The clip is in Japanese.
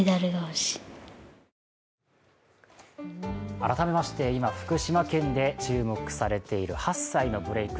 改めまして今、福島県で注目されている８歳のブレイク